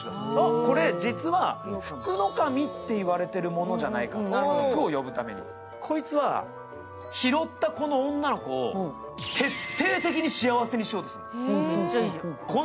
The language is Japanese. これ実はフクノカミっていわれてるものじゃないか、福を呼ぶためにこいつは拾ったこの女の子を徹底的に幸せにしようとするの。